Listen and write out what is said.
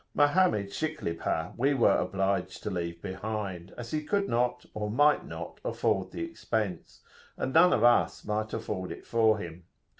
Mohammed Shiklibha we were obliged to leave behind, as he could not, or might not afford the expense, and none of us might afford it for him.